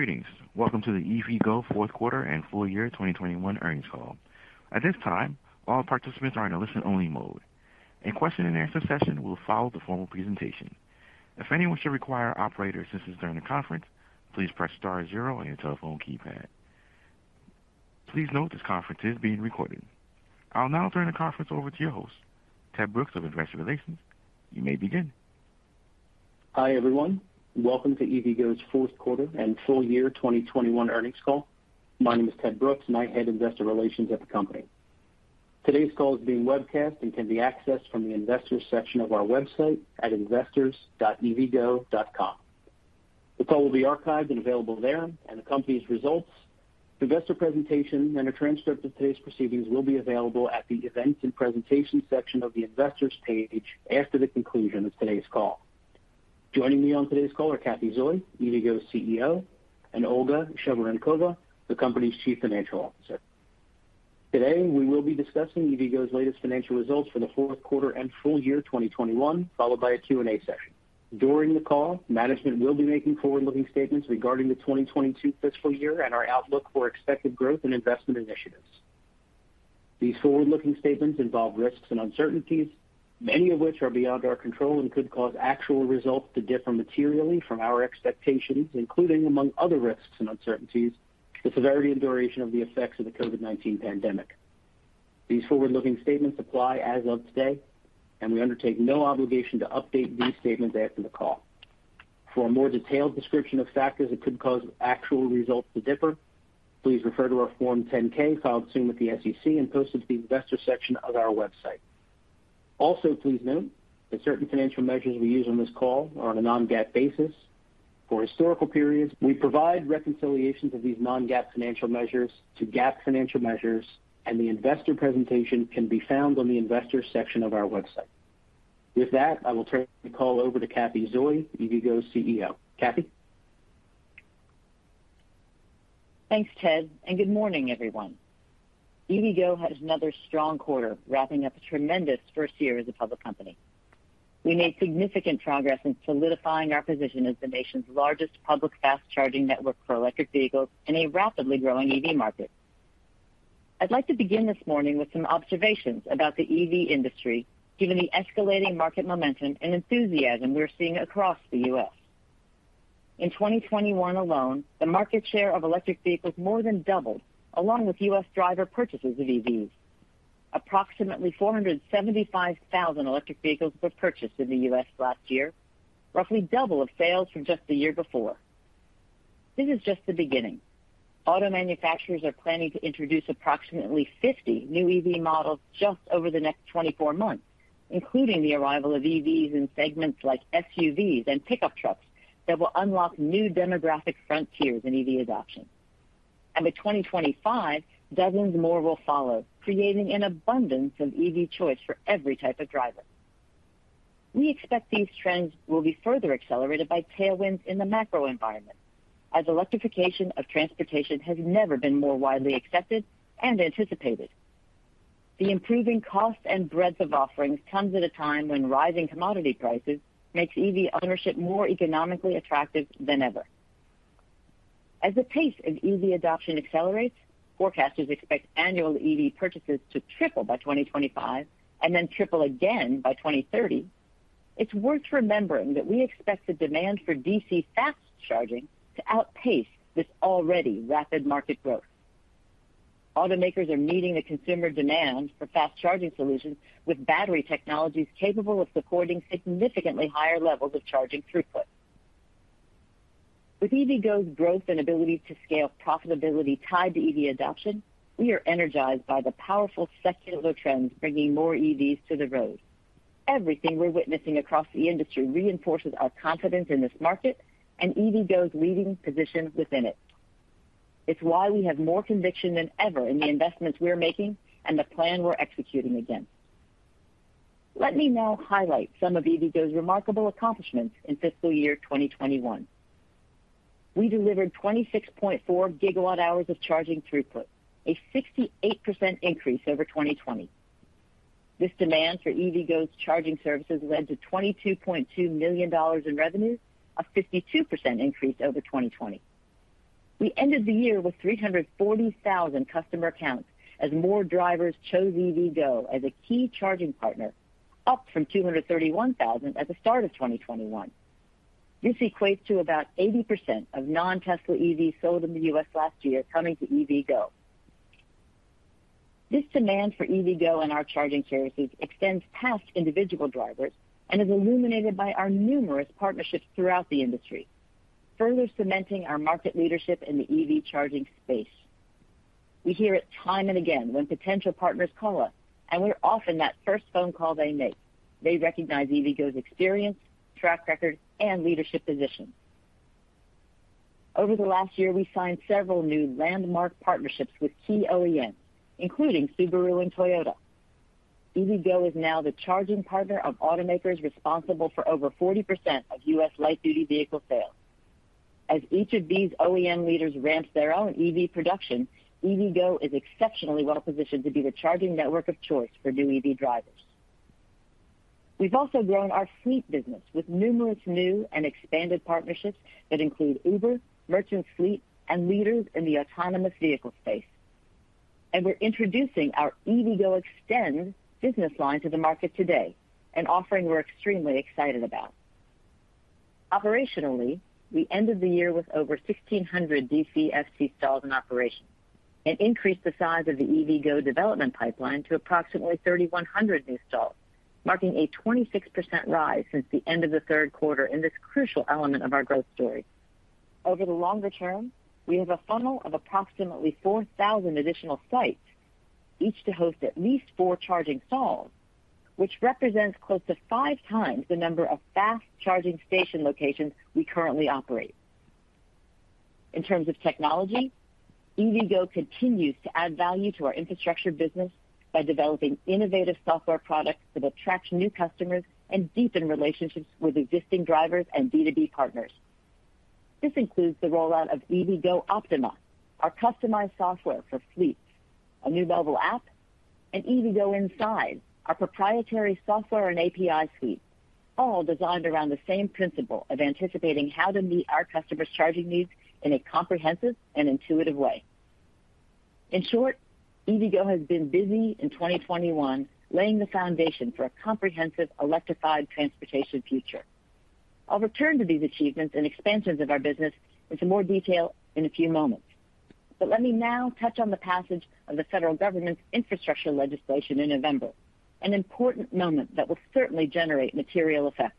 Greetings. Welcome to the EVgo Fourth Quarter and Full Year 2021 Earnings Call. At this time, all participants are in a listen-only mode. A question-and-answer session will follow the formal presentation. If anyone should require operator assistance during the conference, please press star zero on your telephone keypad. Please note this conference is being recorded. I'll now turn the conference over to your host, Ted Brooks of Investor Relations. You may begin. Hi, everyone. Welcome to EVgo's fourth quarter and full year 2021 earnings call. My name is Ted Brooks and I'm Head of Investor Relations at the company. Today's call is being webcast and can be accessed from the investors section of our website at investors.evgo.com. The call will be archived and available there, and the company's results, investor presentation, and a transcript of today's proceedings will be available at the events and presentation section of the investors page after the conclusion of today's call. Joining me on today's call are Cathy Zoi, EVgo's CEO, and Olga Shevorenkova, the company's Chief Financial Officer. Today, we will be discussing EVgo's latest financial results for the fourth quarter and full year 2021, followed by a Q&A session. During the call, management will be making forward-looking statements regarding the 2022 fiscal year and our outlook for expected growth and investment initiatives. These forward-looking statements involve risks and uncertainties, many of which are beyond our control and could cause actual results to differ materially from our expectations, including among other risks and uncertainties, the severity and duration of the effects of the COVID-19 pandemic. These forward-looking statements apply as of today, and we undertake no obligation to update these statements after the call. For a more detailed description of factors that could cause actual results to differ, please refer to our Form 10-K filed soon with the SEC and posted to the investor section of our website. Also, please note that certain financial measures we use on this call are on a non-GAAP basis. For historical periods, we provide reconciliations of these non-GAAP financial measures to GAAP financial measures, and the investor presentation can be found on the Investor Section of our website. With that, I will turn the call over to Cathy Zoi, EVgo's CEO. Cathy? Thanks, Ted, and good morning, everyone. EVgo has another strong quarter, wrapping up a tremendous first year as a public company. We made significant progress in solidifying our position as the nation's largest public fast charging network for electric vehicles in a rapidly growing EV market. I'd like to begin this morning with some observations about the EV industry, given the escalating market momentum and enthusiasm we're seeing across the U.S. In 2021 alone, the market share of electric vehicles more than doubled, along with U.S. driver purchases of EVs. Approximately 475,000 electric vehicles were purchased in the U.S. last year, roughly double the sales from just the year before. This is just the beginning. Auto manufacturers are planning to introduce approximately 50 new EV models just over the next 24 months, including the arrival of EVs in segments like SUVs and pickup trucks that will unlock new demographic frontiers in EV adoption. By 2025, dozens more will follow, creating an abundance of EV choice for every type of driver. We expect these trends will be further accelerated by tailwinds in the macro environment, as electrification of transportation has never been more widely accepted and anticipated. The improving cost and breadth of offerings comes at a time when rising commodity prices makes EV ownership more economically attractive than ever. As the pace of EV adoption accelerates, forecasters expect annual EV purchases to triple by 2025 and then triple again by 2030. It's worth remembering that we expect the demand for DC fast charging to outpace this already rapid market growth. Automakers are meeting the consumer demand for fast charging solutions with battery technologies capable of supporting significantly higher levels of charging throughput. With EVgo's growth and ability to scale profitability tied to EV adoption, we are energized by the powerful secular trends bringing more EVs to the road. Everything we're witnessing across the industry reinforces our confidence in this market and EVgo's leading position within it. It's why we have more conviction than ever in the investments we're making and the plan we're executing against. Let me now highlight some of EVgo's remarkable accomplishments in fiscal year 2021. We delivered 26.4 GWh of charging throughput, a 68% increase over 2020. This demand for EVgo's charging services led to $22.2 million in revenue, a 52% increase over 2020. We ended the year with 340,000 customer accounts as more drivers chose EVgo as a key charging partner, up from 231,000 at the start of 2021. This equates to about 80% of non-Tesla EVs sold in the U.S. last year coming to EVgo. This demand for EVgo and our charging services extends past individual drivers and is illuminated by our numerous partnerships throughout the industry, further cementing our market leadership in the EV charging space. We hear it time and again when potential partners call us, and we're often that first phone call they make. They recognize EVgo's experience, track record, and leadership position. Over the last year, we signed several new landmark partnerships with key OEMs, including Subaru and Toyota. EVgo is now the charging partner of automakers responsible for over 40% of U.S. light-duty vehicle sales. As each of these OEM leaders ramps their own EV production, EVgo is exceptionally well-positioned to be the charging network of choice for new EV drivers. We've also grown our fleet business with numerous new and expanded partnerships that include Uber, Merchants Fleet, and leaders in the autonomous vehicle space. We're introducing our EVgo eXtend business line to the market today, an offering we're extremely excited about. Operationally, we ended the year with over 1,600 DCFC stalls in operation and increased the size of the EVgo development pipeline to approximately 3,100 new stalls, marking a 26% rise since the end of the third quarter in this crucial element of our growth story. Over the longer term, we have a funnel of approximately 4,000 additional sites, each to host at least four charging stalls, which represents close to 5x the number of fast-charging station locations we currently operate. In terms of technology, EVgo continues to add value to our infrastructure business by developing innovative software products that attract new customers and deepen relationships with existing drivers and B2B partners. This includes the rollout of EVgo Optima, our customized software for fleets, a new mobile app, and EVgo Inside, our proprietary software and API suite, all designed around the same principle of anticipating how to meet our customers' charging needs in a comprehensive and intuitive way. In short, EVgo has been busy in 2021, laying the foundation for a comprehensive electrified transportation future. I'll return to these achievements and expansions of our business with some more detail in a few moments. Let me now touch on the passage of the federal government's infrastructure legislation in November, an important moment that will certainly generate material effects.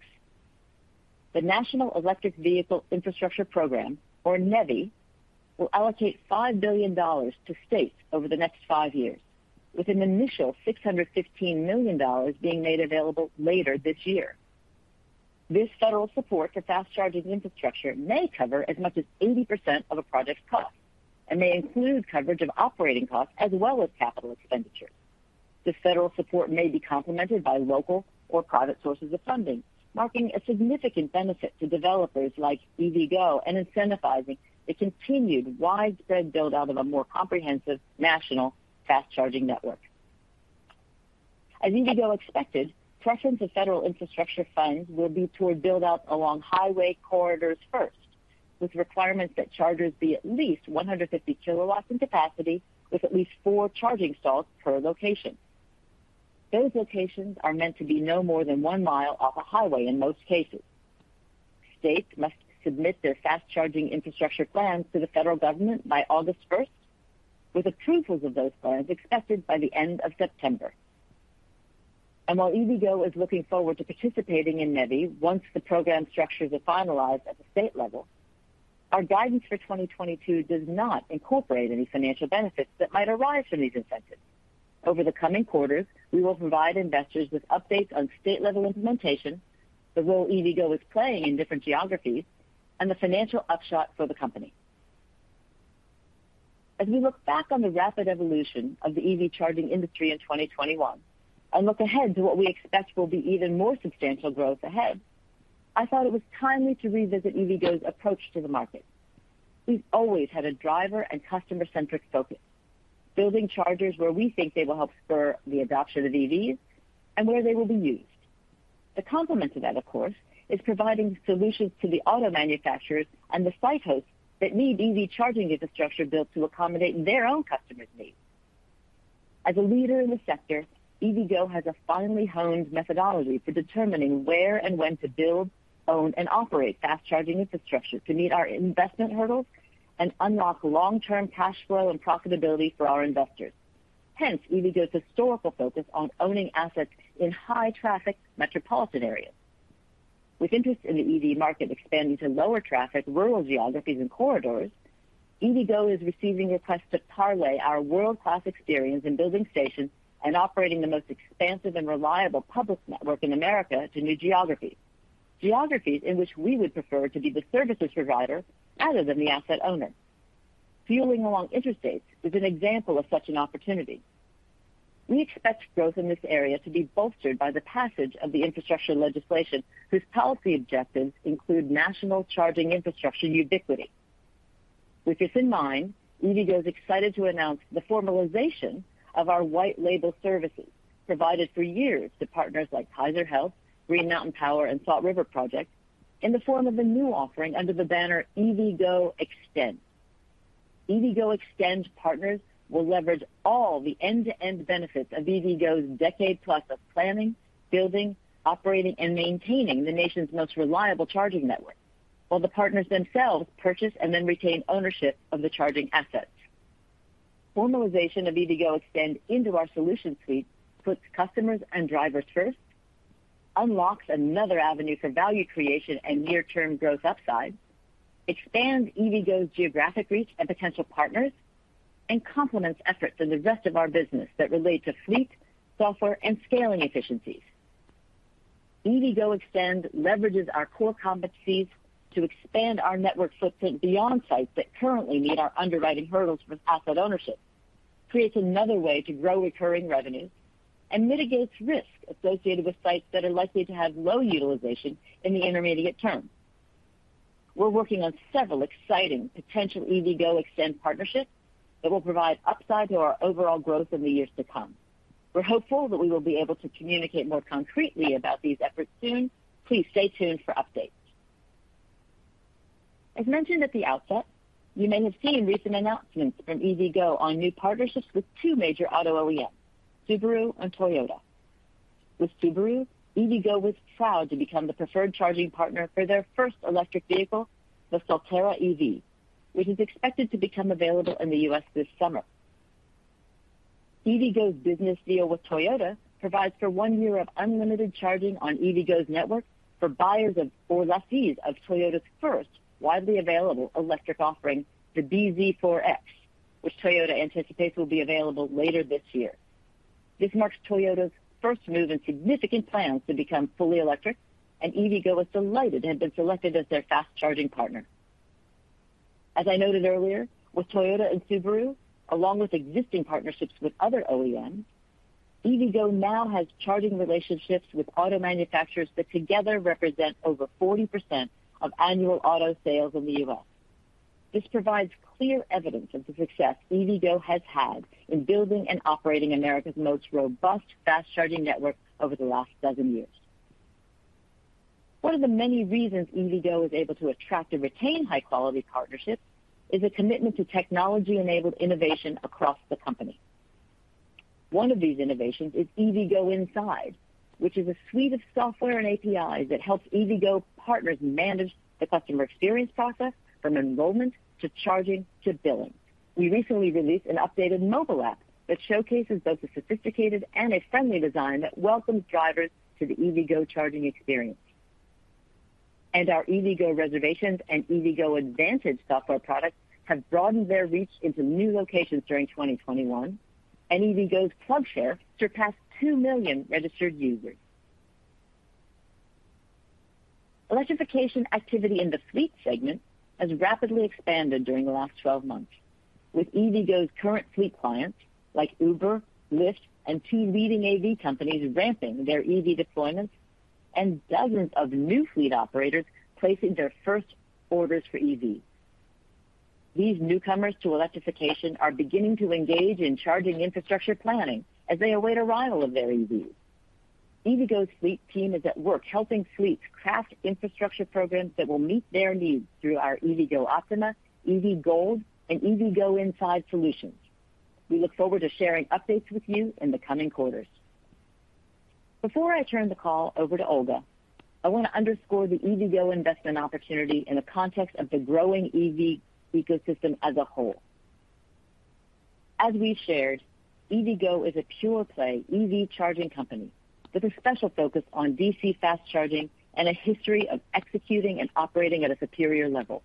The National Electric Vehicle Infrastructure Program, or NEVI, will allocate $5 billion to states over the next five years, with an initial $615 million being made available later this year. This federal support to fast charging infrastructure may cover as much as 80% of a project's cost and may include coverage of operating costs as well as capital expenditures. The federal support may be complemented by local or private sources of funding, marking a significant benefit to developers like EVgo and incentivizing the continued widespread build-out of a more comprehensive national fast charging network. As EVgo expected, preference of federal infrastructure funds will be toward build-out along highway corridors first, with requirements that chargers be at least 150 kW in capacity with at least four charging stalls per location. Those locations are meant to be no more than one mile off a highway in most cases. States must submit their fast charging infrastructure plans to the federal government by August 1st, with approvals of those plans expected by the end of September. While EVgo is looking forward to participating in NEVI once the program structures are finalized at the state level, our guidance for 2022 does not incorporate any financial benefits that might arise from these incentives. Over the coming quarters, we will provide investors with updates on state-level implementation, the role EVgo is playing in different geographies, and the financial upshot for the company. As we look back on the rapid evolution of the EV charging industry in 2021 and look ahead to what we expect will be even more substantial growth ahead, I thought it was timely to revisit EVgo's approach to the market. We've always had a driver and customer-centric focus, building chargers where we think they will help spur the adoption of EVs and where they will be used. The complement to that, of course, is providing solutions to the auto manufacturers and the site hosts that need EV charging infrastructure built to accommodate their own customers' needs. As a leader in the sector, EVgo has a finely honed methodology for determining where and when to build, own, and operate fast charging infrastructure to meet our investment hurdles and unlock long-term cash flow and profitability for our investors. Hence, EVgo's historical focus on owning assets in high-traffic metropolitan areas. With interest in the EV market expanding to lower traffic, rural geographies, and corridors, EVgo is receiving requests to parlay our world-class experience in building stations and operating the most expansive and reliable public network in America to new geographies in which we would prefer to be the services provider rather than the asset owner. Fueling along interstates is an example of such an opportunity. We expect growth in this area to be bolstered by the passage of the infrastructure legislation, whose policy objectives include national charging infrastructure ubiquity. With this in mind, EVgo is excited to announce the formalization of our white-label services provided for years to partners like Kaiser Permanente, Green Mountain Power, and Salt River Project in the form of a new offering under the banner EVgo eXtend. EVgo eXtend partners will leverage all the end-to-end benefits of EVgo's decade plus of planning, building, operating, and maintaining the nation's most reliable charging network, while the partners themselves purchase and then retain ownership of the charging assets. Formalization of EVgo eXtend into our solution suite puts customers and drivers first, unlocks another avenue for value creation and near-term growth upside, expands EVgo's geographic reach and potential partners, and complements efforts in the rest of our business that relate to fleet, software, and scaling efficiencies. EVgo eXtend leverages our core competencies to expand our network footprint beyond sites that currently meet our underwriting hurdles for asset ownership, creates another way to grow recurring revenue, and mitigates risk associated with sites that are likely to have low utilization in the intermediate term. We're working on several exciting potential EVgo eXtend partnerships that will provide upside to our overall growth in the years to come. We're hopeful that we will be able to communicate more concretely about these efforts soon. Please stay tuned for updates. As mentioned at the outset, you may have seen recent announcements from EVgo on new partnerships with two major auto OEMs, Subaru and Toyota. With Subaru, EVgo was proud to become the preferred charging partner for their first electric vehicle, the Solterra EV, which is expected to become available in the U.S. this summer. EVgo's business deal with Toyota provides for one year of unlimited charging on EVgo's network for buyers of or lessees of Toyota's first widely available electric offering, the bZ4X, which Toyota anticipates will be available later this year. This marks Toyota's first move in significant plans to become fully electric, and EVgo is delighted to have been selected as their fast charging partner. As I noted earlier, with Toyota and Subaru, along with existing partnerships with other OEMs, EVgo now has charging relationships with auto manufacturers that together represent over 40% of annual auto sales in the U.S. This provides clear evidence of the success EVgo has had in building and operating America's most robust fast charging network over the last dozen years. One of the many reasons EVgo is able to attract and retain high-quality partnerships is a commitment to technology-enabled innovation across the company. One of these innovations is EVgo Inside, which is a suite of software and APIs that helps EVgo partners manage the customer experience process from enrollment to charging to billing. We recently released an updated mobile app that showcases both a sophisticated and a friendly design that welcomes drivers to the EVgo charging experience. Our EVgo Reservations and EVgo Advantage software products have broadened their reach into new locations during 2021, and EVgo's PlugShare surpassed 2 million registered users. Electrification activity in the fleet segment has rapidly expanded during the last 12 months, with EVgo's current fleet clients like Uber, Lyft, and two leading AV companies ramping their EV deployments and dozens of new fleet operators placing their first orders for EVs. These newcomers to electrification are beginning to engage in charging infrastructure planning as they await arrival of their EVs. EVgo's fleet team is at work helping fleets craft infrastructure programs that will meet their needs through our EVgo Optima, EVgold, and EVgo Inside solutions. We look forward to sharing updates with you in the coming quarters. Before I turn the call over to Olga, I want to underscore the EVgo investment opportunity in the context of the growing EV ecosystem as a whole. As we shared, EVgo is a pure-play EV charging company with a special focus on DC fast charging and a history of executing and operating at a superior level,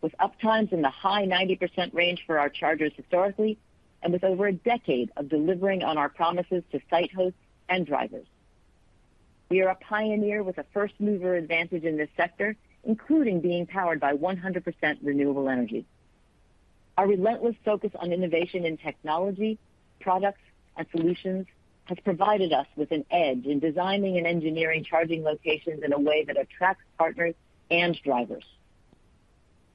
with uptimes in the high 90% range for our chargers historically and with over a decade of delivering on our promises to site hosts and drivers. We are a pioneer with a first-mover advantage in this sector, including being powered by 100% renewable energy. Our relentless focus on innovation in technology, products, and solutions has provided us with an edge in designing and engineering charging locations in a way that attracts partners and drivers.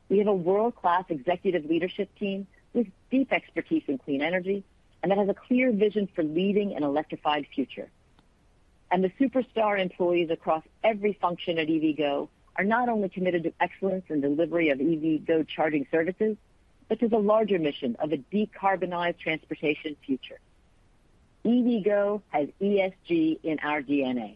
We have a world-class executive leadership team with deep expertise in clean energy and that has a clear vision for leading an electrified future. The superstar employees across every function at EVgo are not only committed to excellence in delivery of EVgo charging services, but to the larger mission of a decarbonized transportation future. EVgo has ESG in our DNA.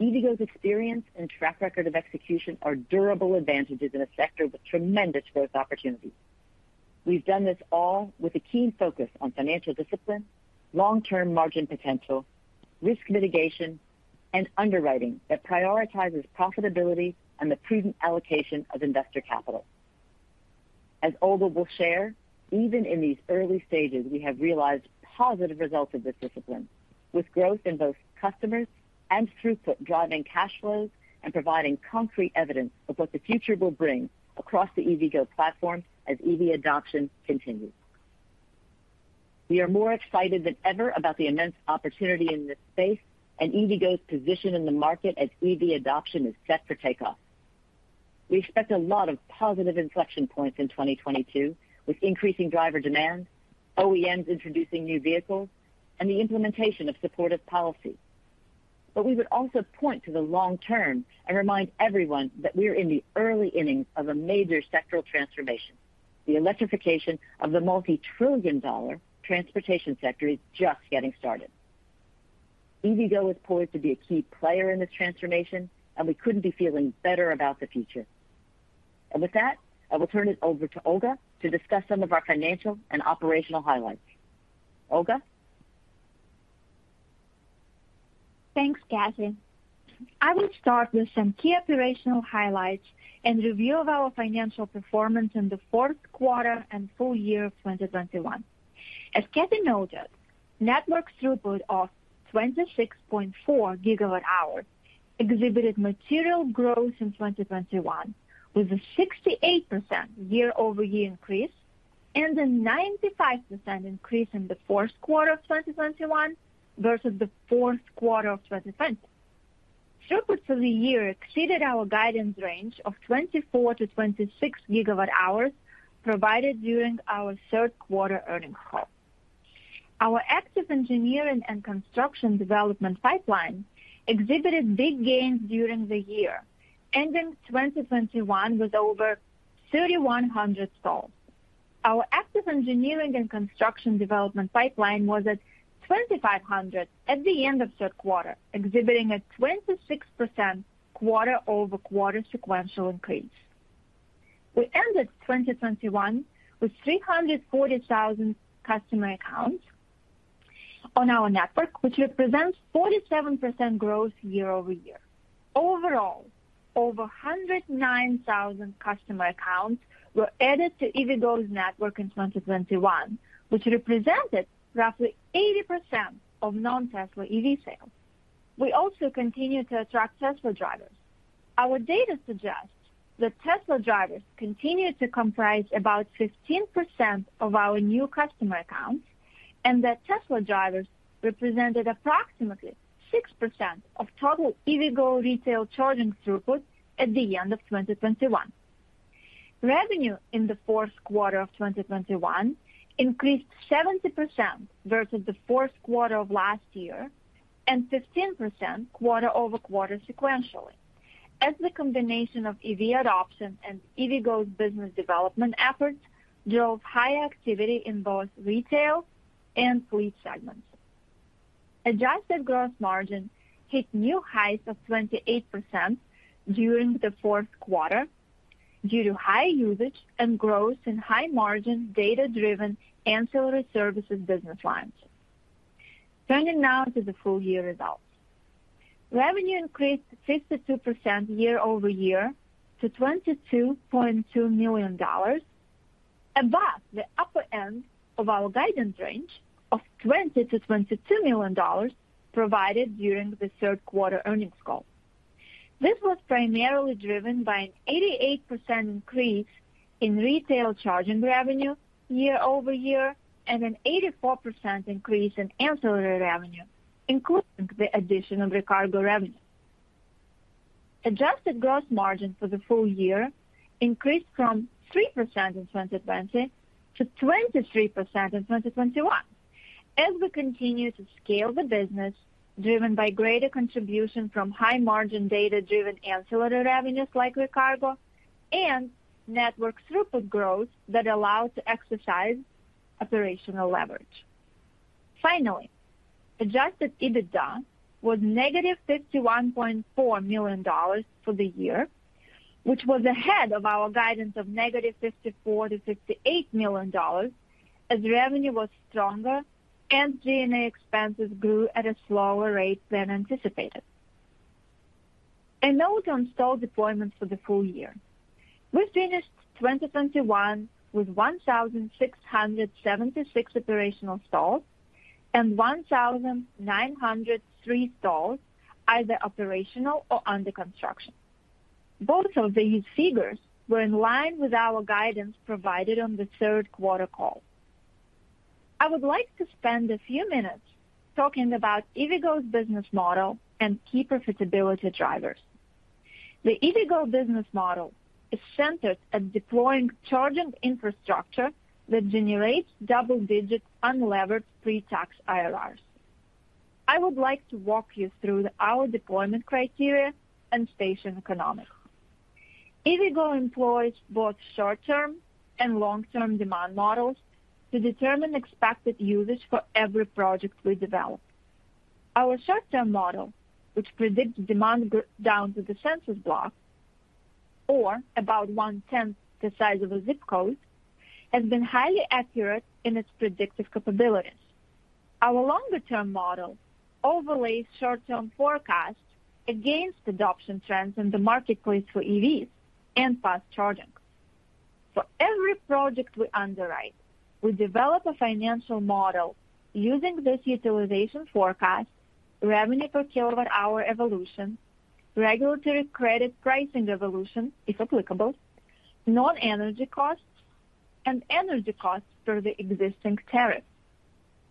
EVgo's experience and track record of execution are durable advantages in a sector with tremendous growth opportunities. We've done this all with a keen focus on financial discipline, long-term margin potential, risk mitigation, and underwriting that prioritizes profitability and the prudent allocation of investor capital. As Olga will share, even in these early stages, we have realized positive results of this discipline, with growth in both customers and throughput, driving cash flows and providing concrete evidence of what the future will bring across the EVgo platform as EV adoption continues. We are more excited than ever about the immense opportunity in this space and EVgo's position in the market as EV adoption is set for takeoff. We expect a lot of positive inflection points in 2022, with increasing driver demand, OEMs introducing new vehicles, and the implementation of supportive policy. We would also point to the long term and remind everyone that we're in the early innings of a major sectoral transformation. The electrification of the multi-trillion dollar transportation sector is just getting started. EVgo is poised to be a key player in this transformation, and we couldn't be feeling better about the future. With that, I will turn it over to Olga to discuss some of our financial and operational highlights. Olga? Thanks, Cathy. I will start with some key operational highlights and review of our financial performance in the fourth quarter and full year of 2021. As Cathy noted, network throughput of 26.4 GWh exhibited material growth in 2021. With a 68% year-over-year increase and a 95% increase in the fourth quarter of 2021 versus the fourth quarter of 2020. Throughput for the year exceeded our guidance range of 24 GWh-26 GWh provided during our third quarter earnings call. Our active engineering and construction development pipeline exhibited big gains during the year, ending 2021 with over 3,100 stalls. Our active engineering and construction development pipeline was at 2,500 at the end of third quarter, exhibiting a 26% quarter-over-quarter sequential increase. We ended 2021 with 340,000 customer accounts on our network, which represents 47% growth year-over-year. Overall, over 109,000 customer accounts were added to EVgo's network in 2021, which represented roughly 80% of non-Tesla EV sales. We also continue to attract Tesla drivers. Our data suggests that Tesla drivers continued to comprise about 15% of our new customer accounts, and that Tesla drivers represented approximately 6% of total EVgo retail charging throughput at the end of 2021. Revenue in the fourth quarter of 2021 increased 70% versus the fourth quarter of last year and 15% quarter-over-quarter sequentially, as the combination of EV adoption and EVgo's business development efforts drove high activity in both retail and fleet segments. Adjusted gross margin hit new highs of 28% during the fourth quarter due to high usage and growth in high-margin data-driven ancillary services business lines. Turning now to the full-year results. Revenue increased 52% year-over-year to $22.2 million, above the upper end of our guidance range of $20 million-$22 million provided during the third quarter earnings call. This was primarily driven by an 88% increase in retail charging revenue year-over-year and an 84% increase in ancillary revenue, including the addition of Recargo revenue. Adjusted gross margin for the full year increased from 3% in 2020 to 23% in 2021 as we continue to scale the business driven by greater contribution from high margin data-driven ancillary revenues like Recargo and network throughput growth that allow to exercise operational leverage. Finally, adjusted EBITDA was -$51.4 million for the year, which was ahead of our guidance of negative $54 million-$58 million, as revenue was stronger and G&A expenses grew at a slower rate than anticipated. A note on stall deployments for the full year. We finished 2021 with 1,676 operational stalls and 1,903 stalls either operational or under construction. Both of these figures were in line with our guidance provided on the third quarter call. I would like to spend a few minutes talking about EVgo's business model and key profitability drivers. The EVgo business model is centered at deploying charging infrastructure that generates double-digit unlevered pre-tax IRRs. I would like to walk you through our deployment criteria and station economics. EVgo employs both short-term and long-term demand models to determine expected usage for every project we develop. Our short-term model, which predicts demand down to the census block or about one-tenth the size of a ZIP code, has been highly accurate in its predictive capabilities. Our longer-term model overlays short-term forecasts against adoption trends in the marketplace for EVs and fast charging. For every project we underwrite, we develop a financial model using this utilization forecast, revenue per kWh evolution, regulatory credit pricing evolution, if applicable, non-energy costs and energy costs per the existing tariff.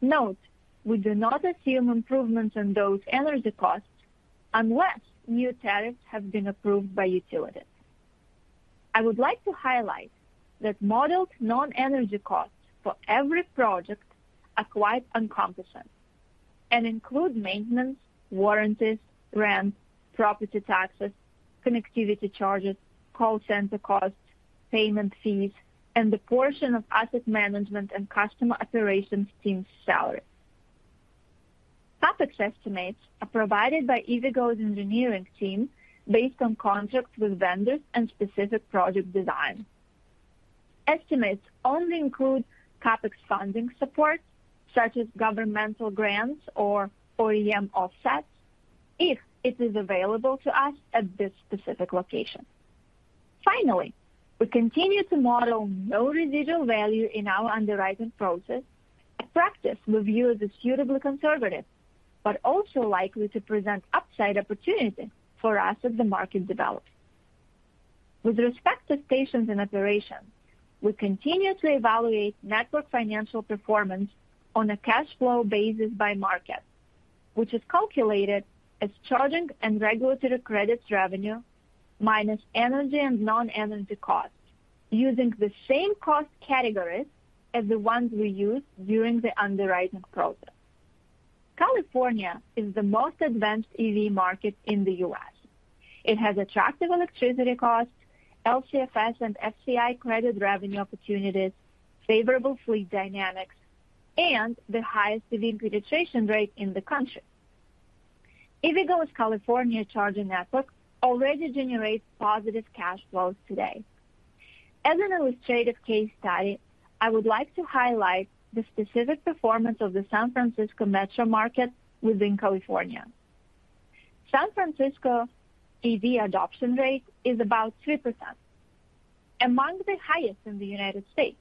Note, we do not assume improvements in those energy costs unless new tariffs have been approved by utilities. I would like to highlight that modeled non-energy costs for every project are quite encompassing and include maintenance, warranties, rent, property taxes, connectivity charges, call center costs, payment fees, and the portion of asset management and customer operations team salaries. CapEx estimates are provided by EVgo's engineering team based on contracts with vendors and specific project design. Estimates only include CapEx funding support, such as governmental grants or OEM offsets, if it is available to us at this specific location. Finally, we continue to model no residual value in our underwriting process. A practice we view as suitably conservative, but also likely to present upside opportunity for us as the market develops. With respect to stations and operations, we continue to evaluate network financial performance on a cash flow basis by market, which is calculated as charging and regulatory credits revenue minus energy and non-energy costs, using the same cost categories as the ones we use during the underwriting process. California is the most advanced EV market in the U.S. It has attractive electricity costs, LCFS and FCI credit revenue opportunities, favorable fleet dynamics, and the highest EV penetration rate in the country. EVgo's California charging network already generates positive cash flows today. As an illustrative case study, I would like to highlight the specific performance of the San Francisco metro market within California. San Francisco EV adoption rate is about 3%, among the highest in the United States.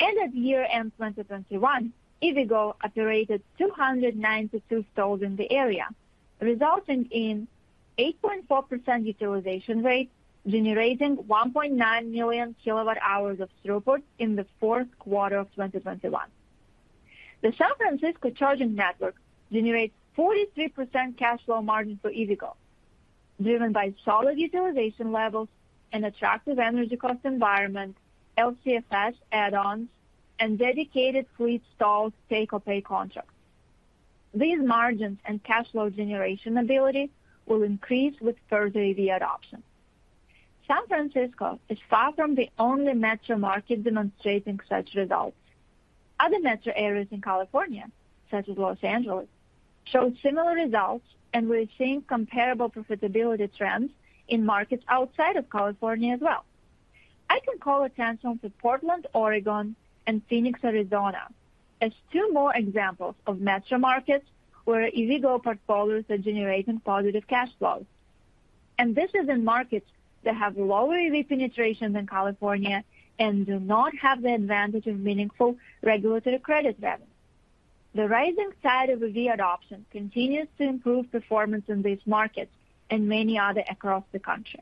At year-end 2021, EVgo operated 292 stalls in the area, resulting in 8.4% utilization rate, generating 1.9 million kWh of throughput in the fourth quarter of 2021. The San Francisco charging network generates 43% cash flow margin for EVgo, driven by solid utilization levels and attractive energy cost environment, LCFS add-ons and dedicated fleet stall take-or-pay contracts. These margins and cash flow generation ability will increase with further EV adoption. San Francisco is far from the only metro market demonstrating such results. Other metro areas in California, such as Los Angeles, showed similar results, and we're seeing comparable profitability trends in markets outside of California as well. I can call attention to Portland, Oregon and Phoenix, Arizona as two more examples of metro markets where EVgo portfolios are generating positive cash flows. This is in markets that have lower EV penetration than California and do not have the advantage of meaningful regulatory credit revenue. The rising tide of EV adoption continues to improve performance in these markets and many other across the country.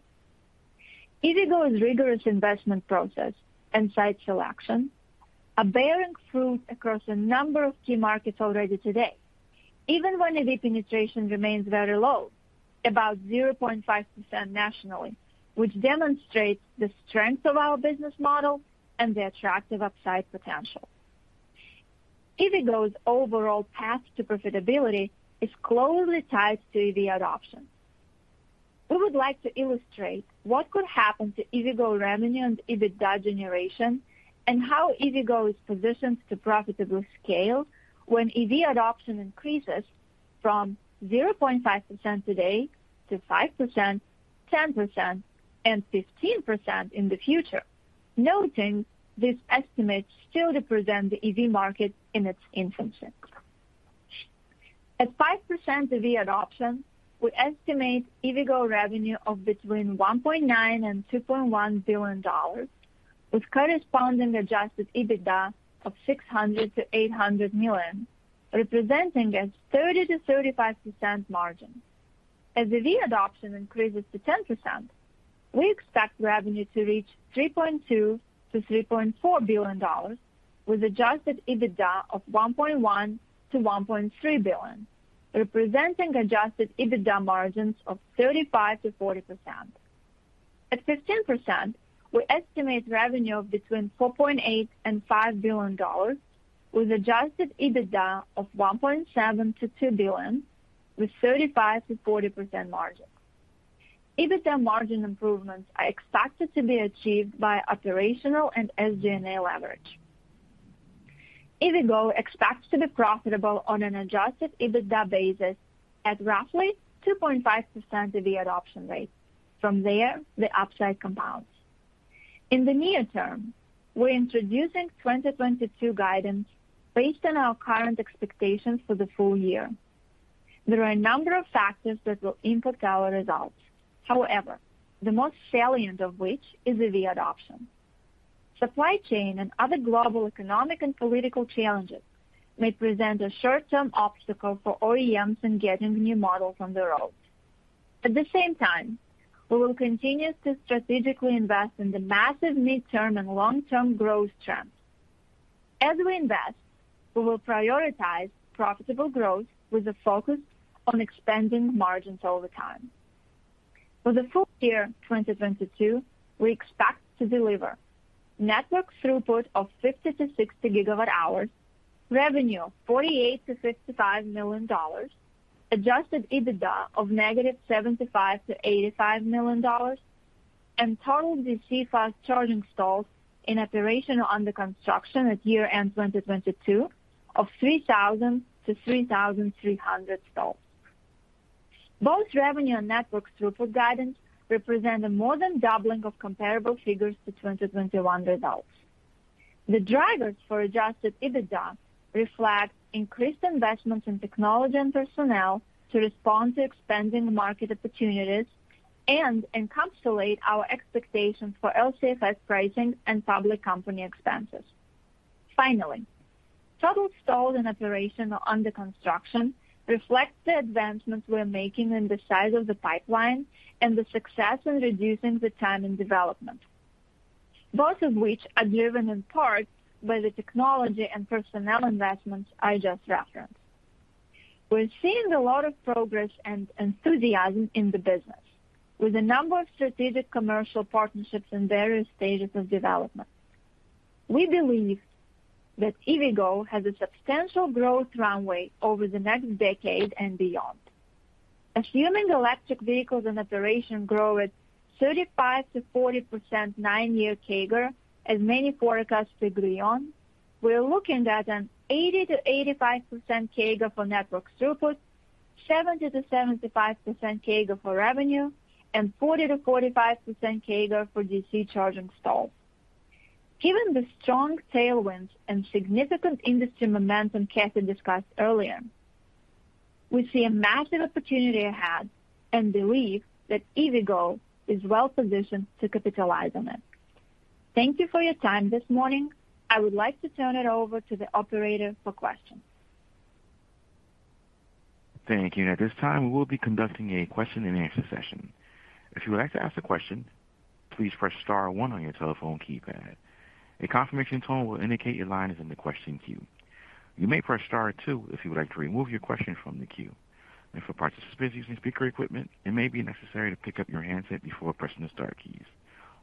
EVgo's rigorous investment process and site selection are bearing fruit across a number of key markets already today, even when EV penetration remains very low, about 0.5% nationally, which demonstrates the strength of our business model and the attractive upside potential. EVgo's overall path to profitability is closely tied to EV adoption. We would like to illustrate what could happen to EVgo revenue and EBITDA generation and how EVgo is positioned to profitably scale when EV adoption increases from 0.5% today to 5%, 10%, and 15% in the future, noting these estimates still represent the EV market in its infancy. At 5% EV adoption, we estimate EVgo revenue of between $1.9 billion and $2.1 billion, with corresponding adjusted EBITDA of $600 million-$800 million, representing a 30%-35% margin. As EV adoption increases to 10%, we expect revenue to reach $3.2 billion-$3.4 billion with adjusted EBITDA of $1.1 billion-$1.3 billion, representing adjusted EBITDA margins of 35%-40%. At 15%, we estimate revenue of between $4.8 billion and $5 billion with adjusted EBITDA of $1.7 billion-$2 billion with 35%-40% margins. EBITDA margin improvements are expected to be achieved by operational and SG&A leverage. EVgo expects to be profitable on an adjusted EBITDA basis at roughly 2.5% EV adoption rate. From there, the upside compounds. In the near term, we're introducing 2022 guidance based on our current expectations for the full year. There are a number of factors that will impact our results. However, the most salient of which is EV adoption. Supply chain and other global economic and political challenges may present a short-term obstacle for OEMs in getting new models on the road. At the same time, we will continue to strategically invest in the massive midterm and long-term growth trends. As we invest, we will prioritize profitable growth with a focus on expanding margins over time. For the full year 2022, we expect to deliver network throughput of 50-60 GWh, revenue $48 million-$55 million, adjusted EBITDA of negtaive $75 million-$85 million, and total DC fast charging stalls in operation or under construction at year-end 2022 of 3,000-3,300 stalls. Both revenue and network throughput guidance represent a more than doubling of comparable figures to 2021 results. The drivers for Adjusted EBITDA reflect increased investments in technology and personnel to respond to expanding market opportunities and encapsulate our expectations for LCFS pricing and public company expenses. Finally, total stalls in operation or under construction reflects the advancements we're making in the size of the pipeline and the success in reducing the time in development, both of which are driven in part by the technology and personnel investments I just referenced. We're seeing a lot of progress and enthusiasm in the business with a number of strategic commercial partnerships in various stages of development. We believe that EVgo has a substantial growth runway over the next decade and beyond. Assuming electric vehicles in operation grow at 35%-40% nine-year CAGR, as many forecasts agree on, we're looking at an 80%-85% CAGR for network throughput, 70%-75% CAGR for revenue, and 40%-45% CAGR for DC charging stalls. Given the strong tailwinds and significant industry momentum Cathy discussed earlier, we see a massive opportunity ahead and believe that EVgo is well-positioned to capitalize on it. Thank you for your time this morning. I would like to turn it over to the operator for questions. Thank you. At this time, we will be conducting a question-and-answer session. If you would like to ask a question, please press star one on your telephone keypad. A confirmation tone will indicate your line is in the question queue. You may press star two if you would like to remove your question from the queue. For participants using speaker equipment, it may be necessary to pick up your handset before pressing the star keys.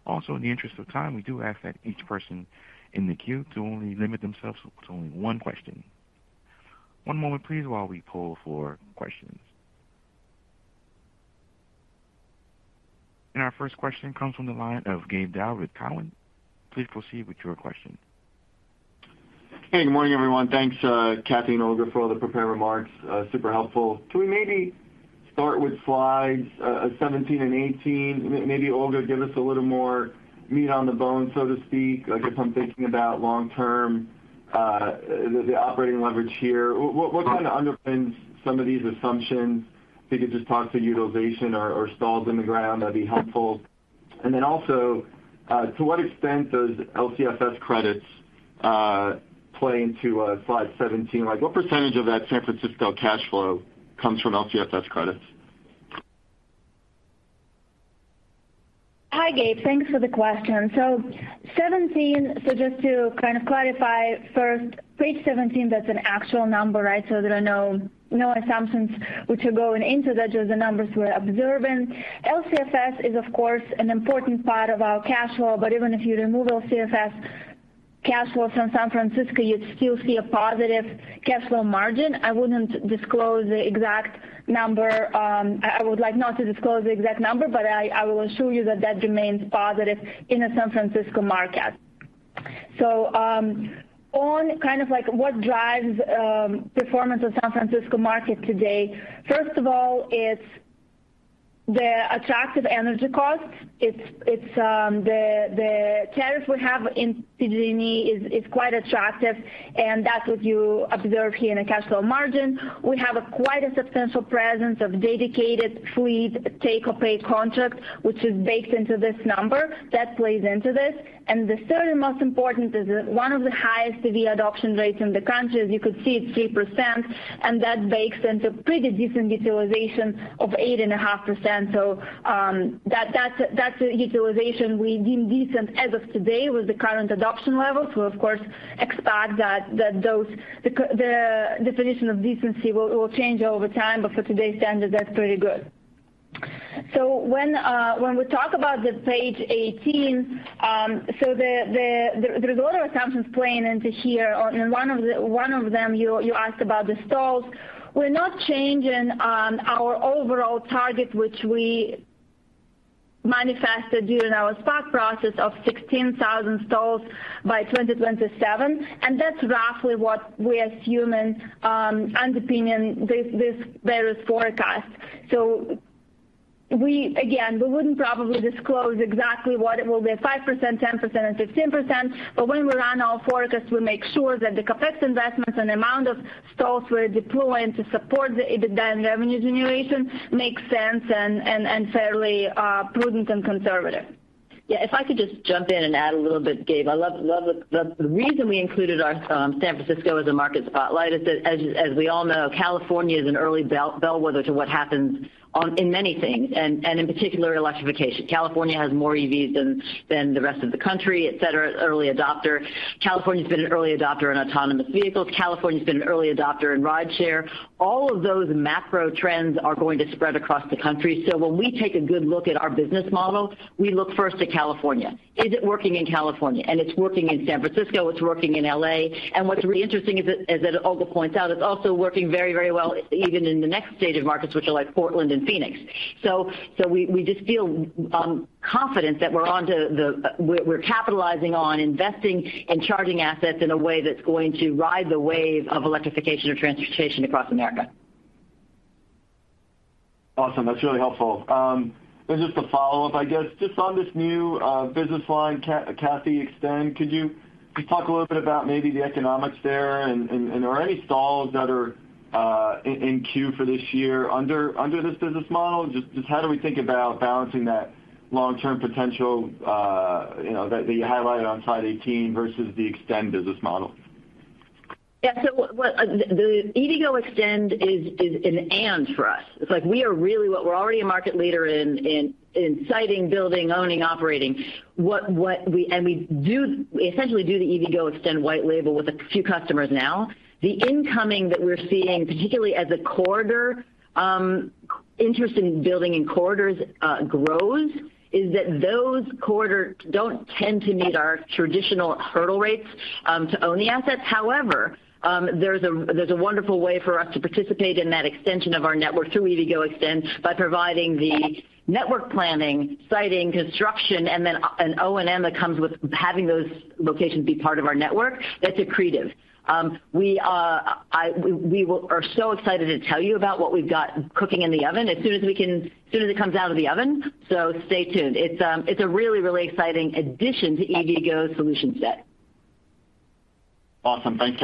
Also, in the interest of time, we do ask that each person in the queue to only limit themselves to only one question. One moment please while we poll for questions. Our first question comes from the line of Gabe Daoud with Cowen. Please proceed with your question. Hey, good morning, everyone. Thanks, Cathy and Olga, for all the prepared remarks. Super helpful. Can we maybe start with slides 17 and 18? Maybe, Olga, give us a little more meat on the bone, so to speak. Like, if I'm thinking about long-term, the operating leverage here. What kind of underpins some of these assumptions? If you could just talk to utilization or stalls in the ground, that'd be helpful. Then also, to what extent does LCFS credits play into slide 17? Like, what percentage of that San Francisco cash flow comes from LCFS credits? Hi, Gabe. Thanks for the question. 17, just to kind of clarify first, page 17, that's an actual number, right? There are no assumptions which are going into that. Those are the numbers we're observing. LCFS is, of course, an important part of our cash flow, but even if you remove LCFS cash flows from San Francisco, you'd still see a positive cash flow margin. I wouldn't disclose the exact number. I would like not to disclose the exact number, but I will assure you that remains positive in the San Francisco market. On kind of like what drives performance of San Francisco market today, first of all, it's the attractive energy costs. It's the tariff we have in PG&E is quite attractive, and that's what you observe here in the cash flow margin. We have quite a substantial presence of dedicated fleet take or pay contracts, which is baked into this number. That plays into this. The third and most important is one of the highest EV adoption rates in the country. As you could see, it's 3%, and that bakes into pretty decent utilization of 8.5%. That's a utilization we deem decent as of today with the current adoption levels. We of course expect that the definition of decency will change over time, but for today's standard, that's pretty good. When we talk about page 18, there's a lot of assumptions playing into here. One of them you asked about the stalls. We're not changing our overall target, which we manifested during our SPAC process of 16,000 stalls by 2027, and that's roughly what we're assuming, underpinning this various forecast. Again, we wouldn't probably disclose exactly what it will be, 5%, 10% or 15%. But when we run our forecast, we make sure that the CapEx investments and amount of stalls we're deploying to support the EBITDA and revenue generation makes sense and fairly prudent and conservative. Yeah, if I could just jump in and add a little bit, Gabe. I love the reason we included our San Francisco as a market spotlight is that as we all know, California is an early bellwether to what happens in many things and in particular electrification. California has more EVs than the rest of the country, et cetera. Early adopter. California's been an early adopter in autonomous vehicles. California's been an early adopter in rideshare. All of those macro trends are going to spread across the country. So when we take a good look at our business model, we look first to California. Is it working in California? It's working in San Francisco, it's working in L.A. What's really interesting is that, as Olga points out, it's also working very, very well even in the next stage of markets, which are like Portland and Phoenix. We just feel confident that we're capitalizing on investing in charging assets in a way that's going to ride the wave of electrification of transportation across America. Awesome. That's really helpful. This is just a follow-up, I guess, just on this new business line, Cathy, Extend. Could you talk a little bit about maybe the economics there and are any stalls that are in queue for this year under this business model? Just how do we think about balancing that long-term potential that you highlighted on slide 18 versus the Extend business model? What the EVgo eXtend is is an end for us. It's like we are really a market leader in siting, building, owning, operating. We essentially do the EVgo eXtend white label with a few customers now. The interest that we're seeing, particularly in corridors, interest in building in corridors grows, is that those corridors don't tend to meet our traditional hurdle rates to own the assets. However, there's a wonderful way for us to participate in that extension of our network through EVgo eXtend by providing the network planning, siting, construction, and then an O&M that comes with having those locations be part of our network that's accretive. We are so excited to tell you about what we've got cooking in the oven as soon as it comes out of the oven, so stay tuned. It's a really, really exciting addition to EVgo's solution set. Awesome. Thanks,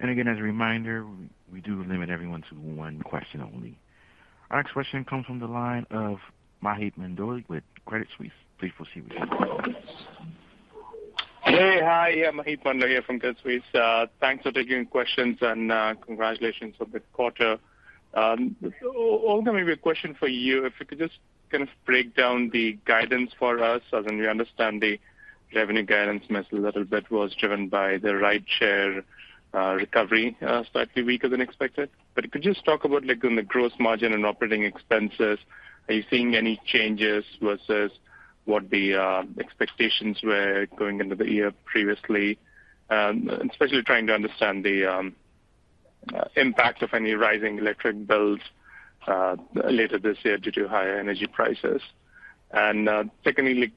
Cathy. Again, as a reminder, we do limit everyone to one question only. Our next question comes from the line of Maheep Mandloi with Credit Suisse. Please proceed with your question. Hey. Hi. Yeah, Maheep Mandloi here from Credit Suisse. Thanks for taking questions and congratulations on the quarter. Olga, maybe a question for you. If you could just kind of break down the guidance for us so then we understand the revenue guidance message a little bit was driven by the rideshare recovery slightly weaker than expected. But if you could just talk about like on the gross margin and operating expenses, are you seeing any changes versus what the expectations were going into the year previously, especially trying to understand the impact of any rising electric bills later this year due to higher energy prices. Secondly,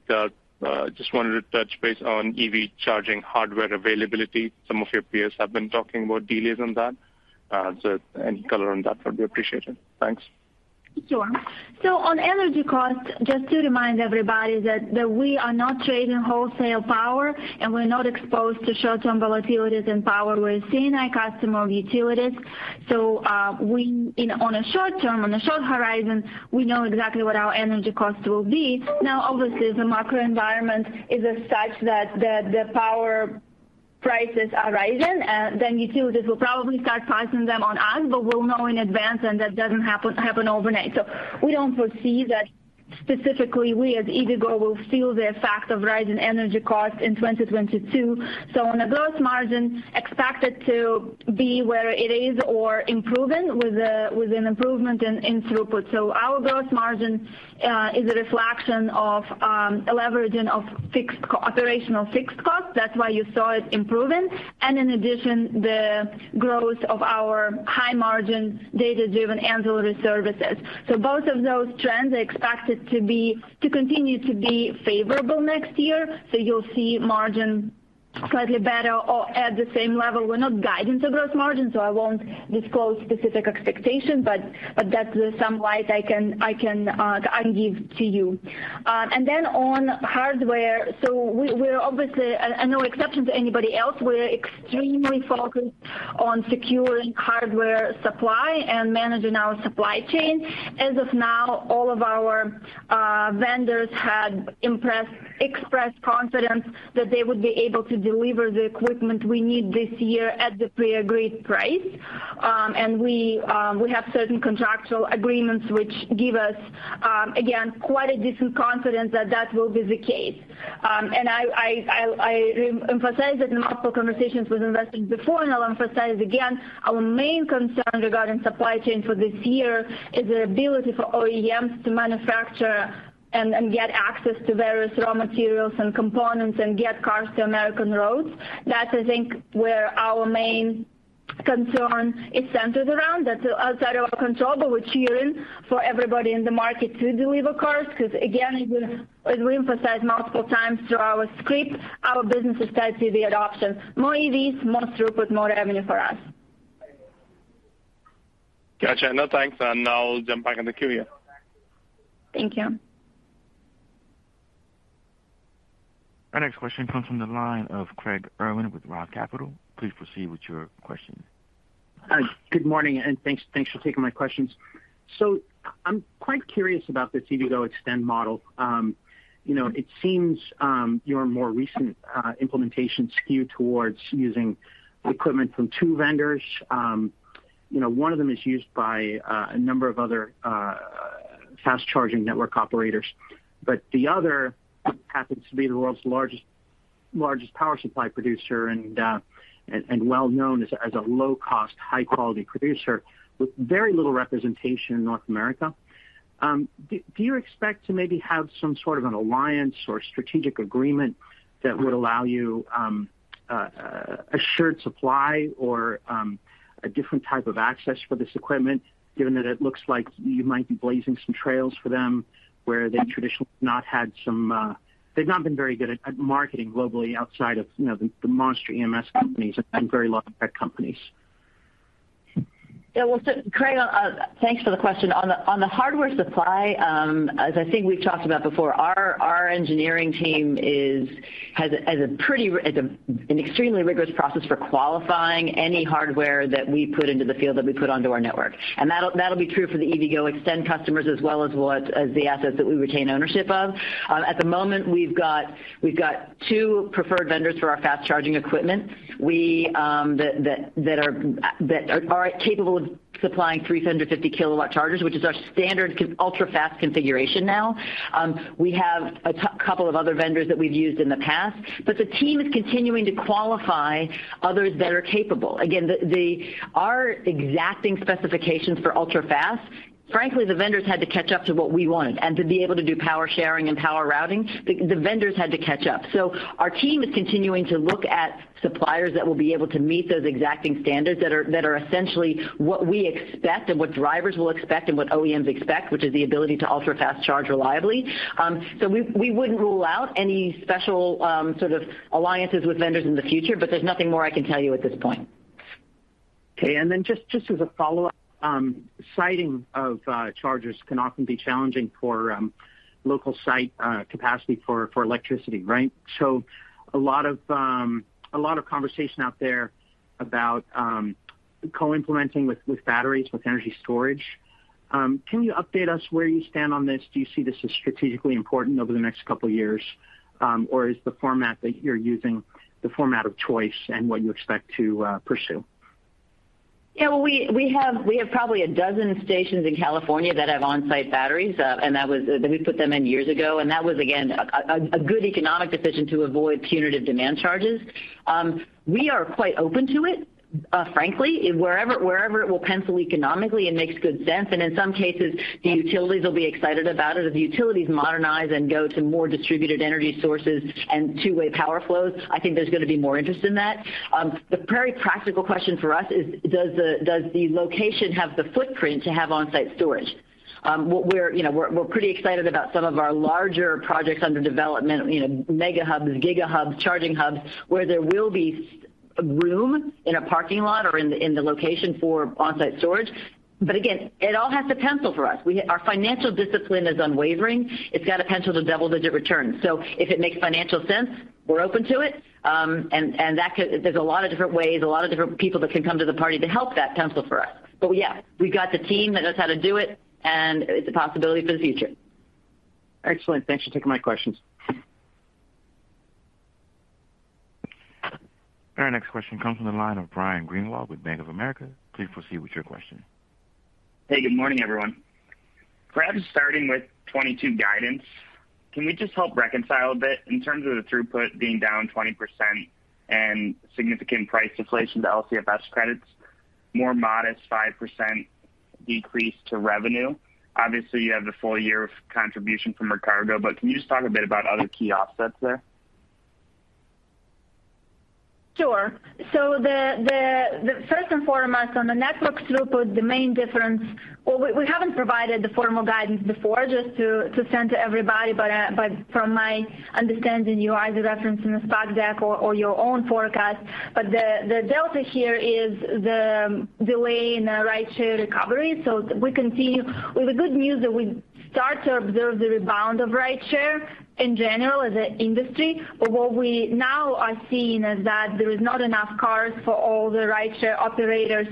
like, just wanted to touch base on EV charging hardware availability. Some of your peers have been talking about delays on that. Any color on that would be appreciated. Thanks. Sure. On energy costs, just to remind everybody that we are not trading wholesale power, and we're not exposed to short-term volatilities in power. We're a C&I customer of utilities. On a short term, on a short horizon, we know exactly what our energy costs will be. Now, obviously, the macro environment is as such that the power prices are rising, then utilities will probably start passing them on us, but we'll know in advance, and that doesn't happen overnight. We don't foresee that specifically we as EVgo will feel the effect of rising energy costs in 2022. On a gross margin, expect it to be where it is or improving with an improvement in throughput. Our gross margin is a reflection of a leveraging of fixed and operational fixed costs. That's why you saw it improving. In addition, the growth of our high-margin, data-driven ancillary services. Both of those trends are expected to continue to be favorable next year. You'll see margin slightly better or at the same level. We're not guiding to gross margin, so I won't disclose specific expectations, but that's some light I can give to you. Then on hardware, we're obviously no exception to anybody else. We're extremely focused on securing hardware supply and managing our supply chain. As of now, all of our vendors have expressed confidence that they would be able to deliver the equipment we need this year at the pre-agreed price. We have certain contractual agreements which give us, again, quite a decent confidence that that will be the case. I emphasized it in multiple conversations with investors before, and I'll emphasize again, our main concern regarding supply chain for this year is the ability for OEMs to manufacture and get access to various raw materials and components and get cars to American roads. That's, I think, where our main concern is centered around. That's outside of our control, but we're cheering for everybody in the market to deliver cars because again, as we emphasized multiple times through our script, our business is tied to the adoption. More EVs, more throughput, more revenue for us. Gotcha. No, thanks. I'll jump back in the queue here. Thank you. Our next question comes from the line of Craig Irwin with Roth Capital. Please proceed with your question. Good morning, thanks for taking my questions. I'm quite curious about this EVgo eXtend model. You know, it seems your more recent implementations skew towards using equipment from two vendors. You know, one of them is used by a number of other fast charging network operators, but the other happens to be the world's largest power supply producer and well known as a low cost, high-quality producer with very little representation in North America. Do you expect to maybe have some sort of an alliance or strategic agreement that would allow you, assured supply or, a different type of access for this equipment, given that it looks like you might be blazing some trails for them where they've traditionally not had some, they've not been very good at marketing globally outside of, you know, the monster EMS companies and very large tech companies? Yeah. Well, Craig, thanks for the question. On the hardware supply, as I think we've talked about before, our engineering team has an extremely rigorous process for qualifying any hardware that we put into the field, that we put onto our network. That'll be true for the EVgo eXtend customers as well as the assets that we retain ownership of. At the moment we've got two preferred vendors for our fast charging equipment that are capable of supplying 350 kW chargers, which is our standard ultrafast configuration now. We have a couple of other vendors that we've used in the past, but the team is continuing to qualify others that are capable. Again, the Our exacting specifications for ultrafast, frankly, the vendors had to catch up to what we wanted and to be able to do power sharing and power routing. Our team is continuing to look at suppliers that will be able to meet those exacting standards that are essentially what we expect and what drivers will expect and what OEMs expect, which is the ability to ultrafast charge reliably. We wouldn't rule out any special sort of alliances with vendors in the future, but there's nothing more I can tell you at this point. Okay. Then just as a follow-up, siting of chargers can often be challenging for local site capacity for electricity, right? A lot of conversation out there about co-implementing with batteries, with energy storage. Can you update us where you stand on this? Do you see this as strategically important over the next couple of years? Is the format that you're using the format of choice and what you expect to pursue? Well, we have probably a dozen stations in California that have on-site batteries. We put them in years ago, and that was again a good economic decision to avoid punitive demand charges. We are quite open to it, frankly. Wherever it will pencil economically, it makes good sense. In some cases, the utilities will be excited about it. As utilities modernize and go to more distributed energy sources and two-way power flows, I think there's gonna be more interest in that. The very practical question for us is, does the location have the footprint to have on-site storage? What we're, you know, pretty excited about some of our larger projects under development, you know, mega hubs, giga hubs, charging hubs, where there will be room in a parking lot or in the location for on-site storage. Again, it all has to pencil for us. Our financial discipline is unwavering. It's got to pencil to double-digit returns. If it makes financial sense, we're open to it. There's a lot of different ways, a lot of different people that can come to the party to help that pencil for us. Yeah, we've got the team that knows how to do it, and it's a possibility for the future. Excellent. Thanks for taking my questions. Our next question comes from the line of Ryan Greenwald with Bank of America. Please proceed with your question. Hey, good morning, everyone. Perhaps starting with 2022 guidance, can we just help reconcile a bit in terms of the throughput being down 20% and significant price deflation to LCFS credits, more modest 5% decrease to revenue. Obviously, you have the full year of contribution from Recargo, but can you just talk a bit about other key offsets there? Sure. First and foremost, on the network throughput, the main difference. We haven't provided the formal guidance before just to send to everybody. From my understanding, you either reference in the SPAC deck or your own forecast. The delta here is the delay in the rideshare recovery. We continue with the good news that we start to observe the rebound of rideshare in general as an industry. What we now are seeing is that there is not enough cars for all the rideshare operators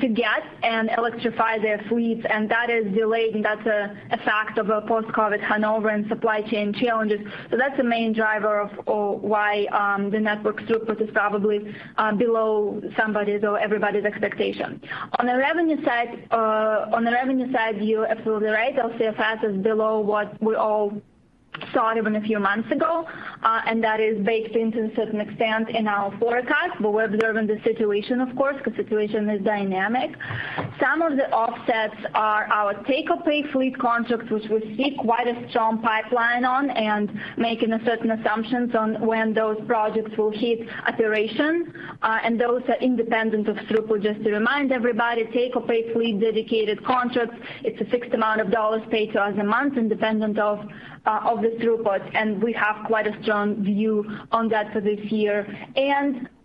to get and electrify their fleets, and that is delayed, and that's a fact of a post-COVID hangover and supply chain challenges. That's the main driver of why the network throughput is probably below somebody's or everybody's expectation. On the revenue side, you're absolutely right. LCFS is below what we all thought even a few months ago, and that is baked in to a certain extent in our forecast. We're observing the situation, of course, because the situation is dynamic. Some of the offsets are our take-or-pay fleet contracts, which we see quite a strong pipeline on and making certain assumptions on when those projects will hit operations. Those are independent of throughput. Just to remind everybody, take-or-pay fleet dedicated contracts. It's a fixed amount of dollars paid to us a month independent of the throughput, and we have quite a strong view on that for this year.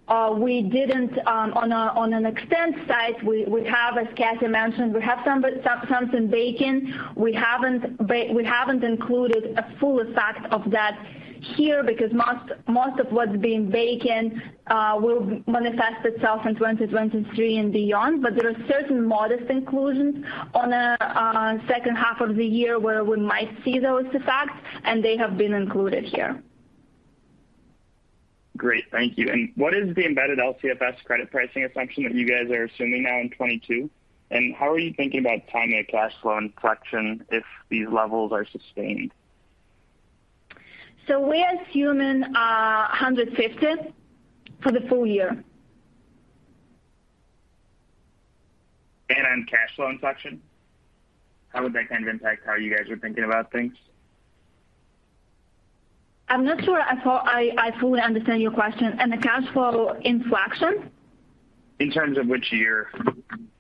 On an eXtend side, as Cathy mentioned, we have some income. We haven't included a full effect of that here because most of what's being baked in will manifest itself in 2023 and beyond. There are certain modest inclusions in the second half of the year where we might see those effects, and they have been included here. Great. Thank you. What is the embedded LCFS credit pricing assumption that you guys are assuming now in 2022? How are you thinking about timing of cash flow and collection if these levels are sustained? We are assuming $150 for the full year. On cash flow inflection, how would that kind of impact how you guys are thinking about things? I'm not sure I fully understand your question. On the cash flow inflection? In terms of which year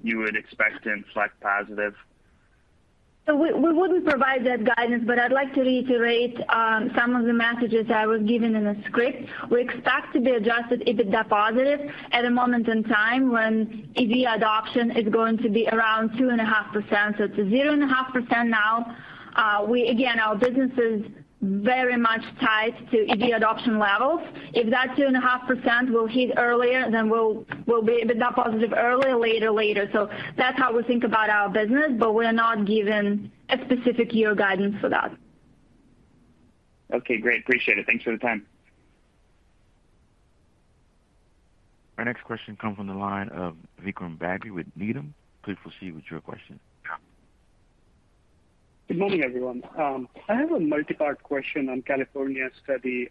you would expect to inflect positive? We wouldn't provide that guidance, but I'd like to reiterate some of the messages I was given in the script. We expect to be adjusted EBITDA positive at a moment in time when EV adoption is going to be around 2.5%. It's 0.5% now. Again, our business is very much tied to EV adoption levels. If that 2.5% will hit earlier, then we'll be EBITDA positive earlier or later. That's how we think about our business, but we're not giving a specific year guidance for that. Okay, great. Appreciate it. Thanks for the time. Our next question comes from the line of Vikram Bagri with Needham. Please proceed with your question. Good morning, everyone. I have a multi-part question on California study.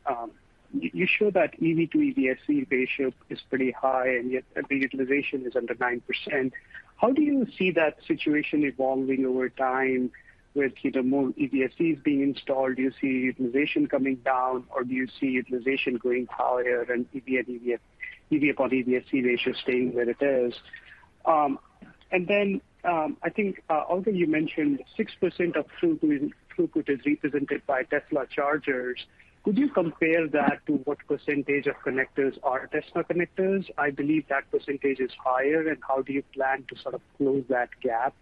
You show that EV to EVSE ratio is pretty high, and yet the utilization is under 9%. How do you see that situation evolving over time with either more EVSEs being installed? Do you see utilization coming down, or do you see utilization going higher and EV on EVSE ratio staying where it is? And then, I think, also you mentioned 6% of throughput is represented by Tesla chargers. Could you compare that to what percentage of connectors are Tesla connectors? I believe that percentage is higher. How do you plan to sort of close that gap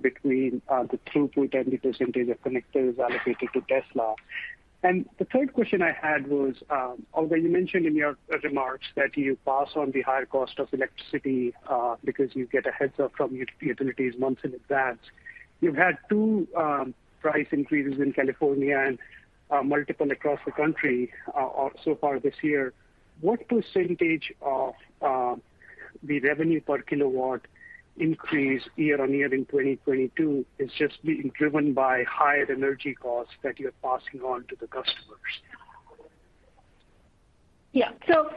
between the throughput and the percentage of connectors allocated to Tesla? The third question I had was, although you mentioned in your remarks that you pass on the higher cost of electricity, because you get a heads-up from the utilities months in advance, you've had two price increases in California and multiple across the country so far this year. What percentage of the revenue per kW increase year on year in 2022 is just being driven by higher energy costs that you're passing on to the customers? Yeah. For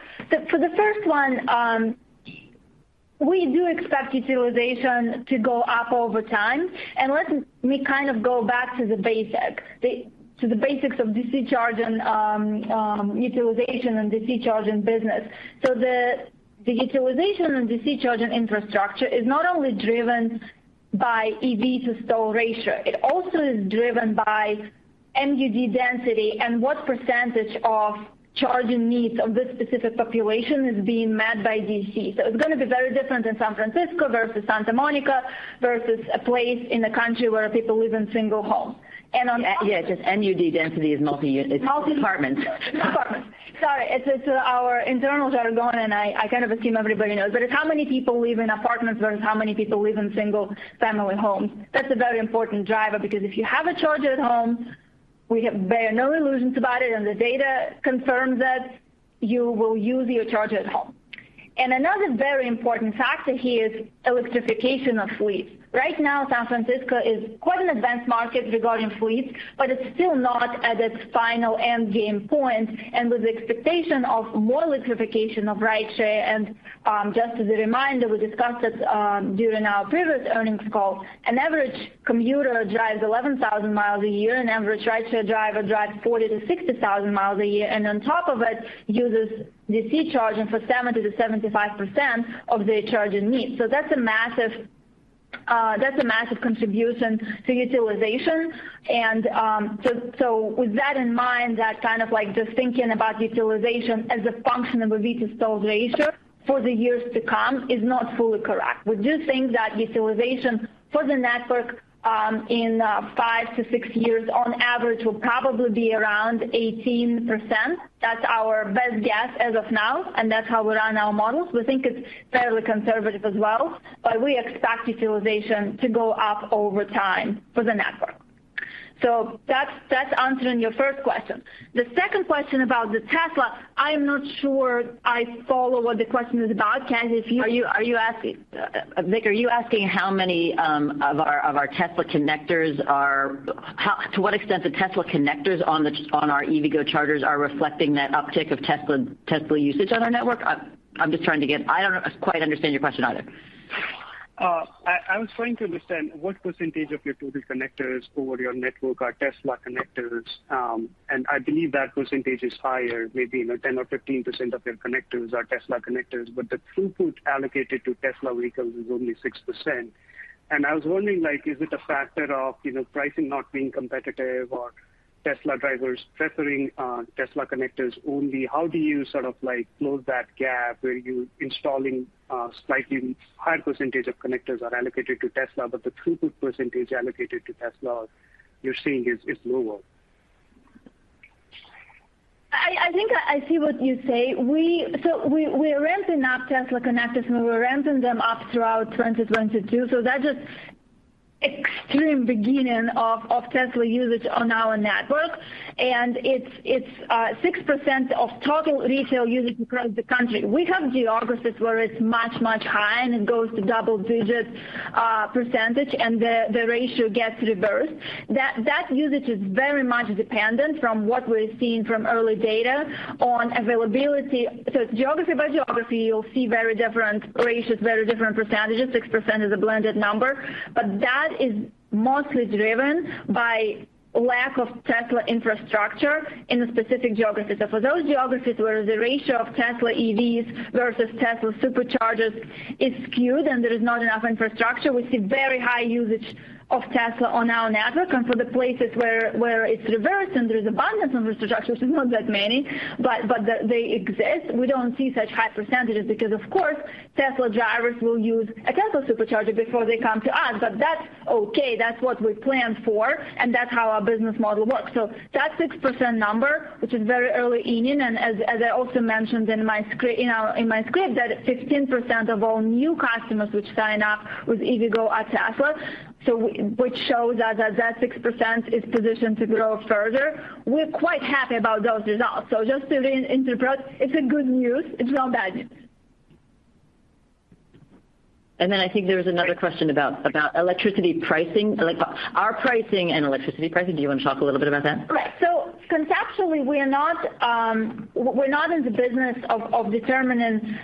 the first one, we do expect utilization to go up over time. Let me kind of go back to the basics of DC charging, utilization and DC charging business. The utilization on DC charging infrastructure is not only driven by EV-to-stall ratio, it also is driven by MUD density and what percentage of charging needs of this specific population is being met by DC. It's gonna be very different in San Francisco versus Santa Monica versus a place in the country where people live in single homes. Yeah, just MUD density is multi-unit. Multi- Apartments. Apartments. Sorry, it's our internal jargon, and I kind of assume everybody knows. It's how many people live in apartments versus how many people live in single-family homes. That's a very important driver because if you have a charger at home, bear no illusions about it and the data confirms it, you will use your charger at home. Another very important factor here is electrification of fleets. Right now, San Francisco is quite an advanced market regarding fleets, but it's still not at its final end game point and with expectation of more electrification of rideshare. Just as a reminder, we discussed this during our previous earnings call. An average commuter drives 11,000 miles a year. An average rideshare driver drives 40,000-60,000 miles a year, and on top of it uses DC charging for 70%-75% of their charging needs. That's a massive contribution to utilization. With that in mind, that kind of like just thinking about utilization as a function of EV to stall ratio for the years to come is not fully correct. We do think that utilization for the network in 5-6 years on average will probably be around 18%. That's our best guess as of now, and that's how we run our models. We think it's fairly conservative as well, but we expect utilization to go up over time for the network. That's answering your first question. The second question about the Tesla, I'm not sure I follow what the question is about. Cathy, if you- Are you asking, Vik, to what extent the Tesla connectors on our EVgo chargers are reflecting that uptick of Tesla usage on our network? I don't quite understand your question either. I was trying to understand what percentage of your total connectors over your network are Tesla connectors. I believe that percentage is higher. Maybe, you know, 10% or 15% of your connectors are Tesla connectors, but the throughput allocated to Tesla vehicles is only 6%. I was wondering, like, is it a factor of, you know, pricing not being competitive or Tesla drivers preferring, Tesla connectors only? How do you sort of like close that gap where you're installing a slightly higher percentage of connectors are allocated to Tesla, but the throughput percentage allocated to Teslas you're seeing is lower? I think I see what you say. We're ramping up Tesla connectors, and we're ramping them up throughout 2022. That's just extreme beginning of Tesla usage on our network. It's 6% of total retail usage across the country. We have geographies where it's much higher, and it goes to double digits %, and the ratio gets reversed. That usage is very much dependent on what we're seeing from early data on availability. Geography by geography, you'll see very different ratios, very different percentages. 6% is a blended number, but that is mostly driven by lack of Tesla infrastructure in the specific geographies. For those geographies where the ratio of Tesla EVs versus Tesla Superchargers is skewed and there is not enough infrastructure. We see very high usage of Tesla on our network. For the places where it's reversed and there's abundance of infrastructure, there's not that many, but the, they exist. We don't see such high percentages because of course, Tesla drivers will use a Tesla Supercharger before they come to us. That's okay, that's what we planned for, and that's how our business model works. That 6% number, which is very early inning, and as I also mentioned in my script, that 15% of all new customers which sign up with EVgo are Tesla, which shows that that 6% is positioned to grow further. We're quite happy about those results. Just to re-interpret, it's a good news, it's not bad news. I think there was another question about electricity pricing. Like our pricing and electricity pricing. Do you wanna talk a little bit about that? Right. Conceptually, we are not, we're not in the business of determining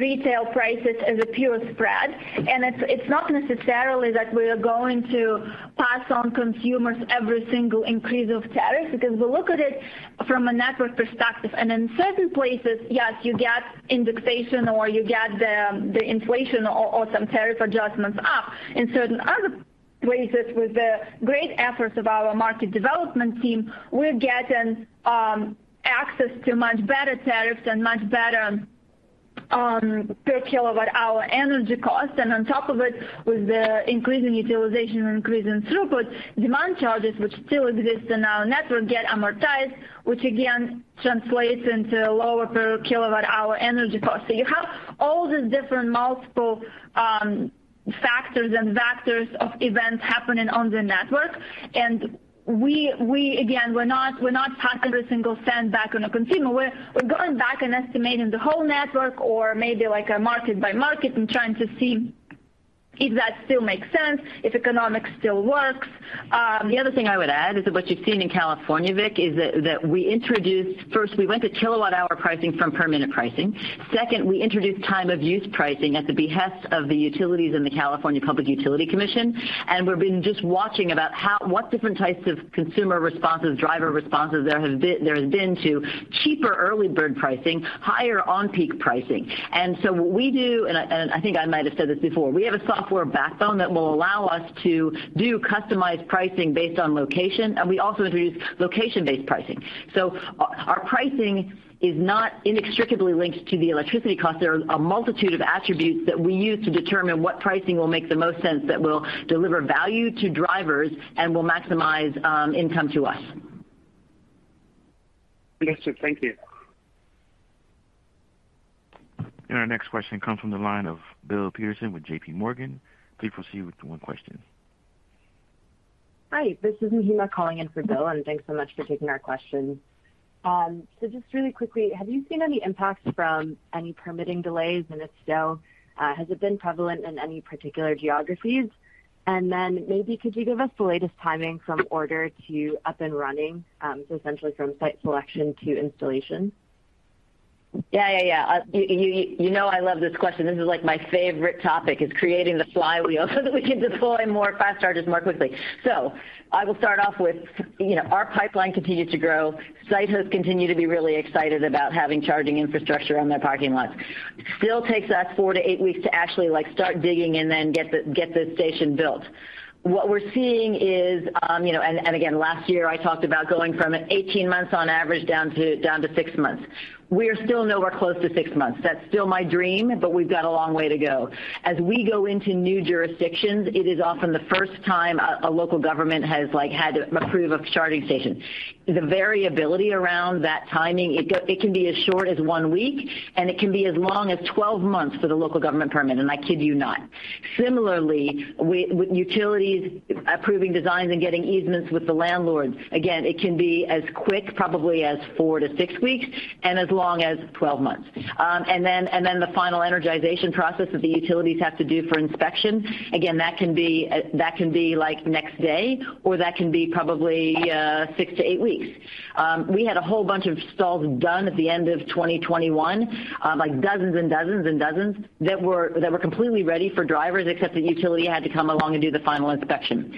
retail prices as a pure spread. It's not necessarily that we are going to pass on consumers every single increase of tariffs, because we look at it from a network perspective. In certain places, yes, you get indexation or you get the inflation or some tariff adjustments up. In certain other places with the great efforts of our market development team, we're getting access to much better tariffs and much better per kW hour energy costs. On top of it, with the increasing utilization or increasing throughput, demand charges, which still exist in our network, get amortized, which again translates into lower per kW hour energy cost. You have all these different multiple factors and vectors of events happening on the network. We again, we're not passing every single cent back on a consumer. We're going back and estimating the whole network or maybe like a market by market and trying to see if that still makes sense, if economics still works. The other thing I would add is that what you've seen in California, Vik, is that we introduced first we went to kWh pricing from per-minute pricing. Second, we introduced time-of-use pricing at the behest of the utilities and the California Public Utilities Commission. We've been watching what different types of consumer responses, driver responses there have been to cheaper early bird pricing, higher on-peak pricing. What we do, and I think I might have said this before, we have a software backbone that will allow us to do customized pricing based on location, and we also introduced location-based pricing. Our pricing is not inextricably linked to the electricity cost. There are a multitude of attributes that we use to determine what pricing will make the most sense, that will deliver value to drivers and will maximize income to us. Understood. Thank you. Our next question comes from the line of Bill Peterson with J.P. Morgan. Please proceed with your question. Hi, this is Mahima calling in for Bill, and thanks so much for taking our question. So just really quickly, have you seen any impacts from any permitting delays? If so, has it been prevalent in any particular geographies? Then maybe could you give us the latest timing from order to up and running, so essentially from site selection to installation? Yeah. You know I love this question. This is, like, my favorite topic is creating the flywheel so that we can deploy more fast chargers more quickly. I will start off with, you know, our pipeline continued to grow. Site hosts continue to be really excited about having charging infrastructure on their parking lots. Still takes us 4-8 weeks to actually start digging and then get the station built. What we're seeing is, again, last year I talked about going from 18 months on average down to 6 months. We are still nowhere close to 6 months. That's still my dream, but we've got a long way to go. As we go into new jurisdictions, it is often the first time a local government has, like, had to approve a charging station. The variability around that timing, it can be as short as one week, and it can be as long as 12 months for the local government permit, and I kid you not. Similarly, with utilities approving designs and getting easements with the landlords, again, it can be as quick probably as 4-6 weeks and as long as 12 months. The final energization process that the utilities have to do for inspection, again, that can be, like, next day or that can be probably 6-8 weeks. We had a whole bunch of stalls done at the end of 2021, like dozens that were completely ready for drivers except the utility had to come along and do the final inspection.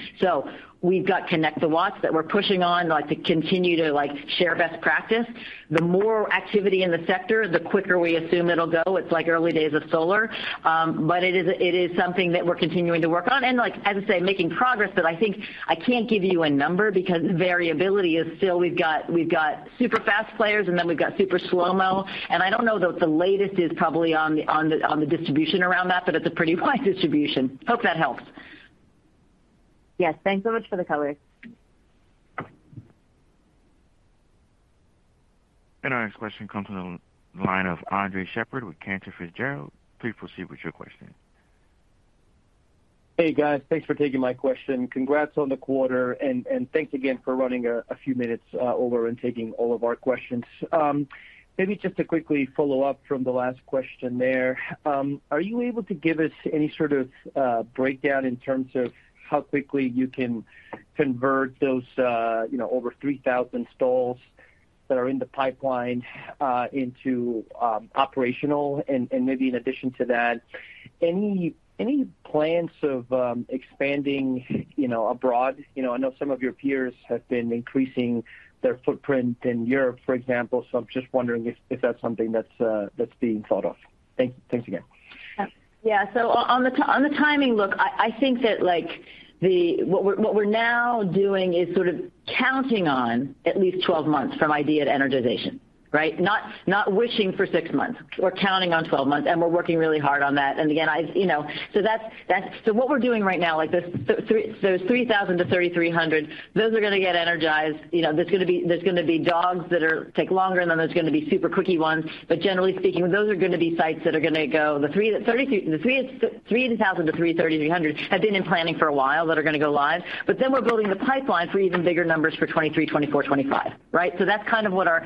We've got Connect the Watts that we're pushing on, like, to continue to share best practice. The more activity in the sector, the quicker we assume it'll go. It's like early days of solar. But it is something that we're continuing to work on and like, as I say, making progress, but I think I can't give you a number because variability is still, we've got super fast players and then we've got super slow-mo. I don't know, the latest is probably on the distribution around that, but it's a pretty wide distribution. Hope that helps. Yes. Thanks so much for the color. Our next question comes from the line of Andres Sheppard with Cantor Fitzgerald. Please proceed with your question. Hey, guys. Thanks for taking my question. Congrats on the quarter and thanks again for running a few minutes over and taking all of our questions. Maybe just to quickly follow up from the last question there, are you able to give us any sort of breakdown in terms of how quickly you can convert those, you know, over 3,000 stalls that are in the pipeline into operational? Maybe in addition to that, any plans of expanding, you know, abroad? You know, I know some of your peers have been increasing their footprint in Europe, for example. I'm just wondering if that's something that's being thought of. Thanks again. Yeah. On the timing, look, I think that, like, what we're now doing is sort of counting on at least 12 months from idea to energization, right? Not wishing for 6 months. We're counting on 12 months, and we're working really hard on that. Again, you know, that's what we're doing right now, like, those 3,000-3,300. Those are gonna get energized. You know, there's gonna be dogs that take longer and then there's gonna be super quickie ones. Generally speaking, those are gonna be sites that are gonna go. The 3,000-3,300 have been in planning for a while that are gonna go live. We're building the pipeline for even bigger numbers for 2023, 2024, 2025, right? That's kind of what our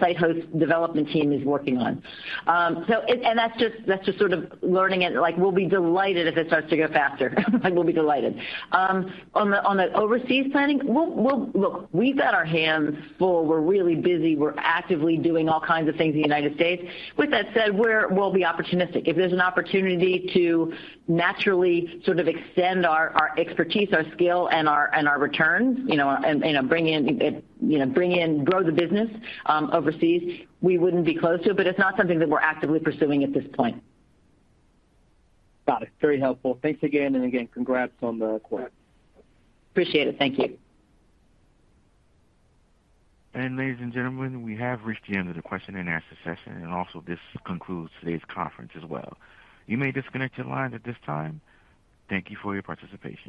site host development team is working on. That's just sort of learning and, like, we'll be delighted if it starts to go faster. Like, we'll be delighted. On the overseas planning, we'll look, we've got our hands full. We're really busy. We're actively doing all kinds of things in the United States. With that said, we'll be opportunistic. If there's an opportunity to naturally sort of extend our expertise, our skill, and our returns, you know, bring in, grow the business overseas, we wouldn't be closed to it, but it's not something that we're actively pursuing at this point. Got it. Very helpful. Thanks again and again congrats on the quarter. Appreciate it. Thank you. Ladies and gentlemen, we have reached the end of the question-and-answer session, and also this concludes today's conference as well. You may disconnect your lines at this time. Thank you for your participation.